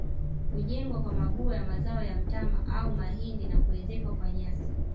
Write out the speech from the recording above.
Hujengwa kwa mabua ya mazao ya mtama au mahindi na kuezekwa kwa nyasi